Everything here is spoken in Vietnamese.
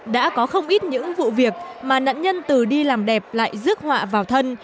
đã có không ít những vụ việc mà nạn nhân từ đi làm đẹp lại rước họa vào thân